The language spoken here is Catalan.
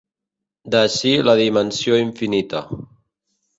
D'ací la dimensió infinita.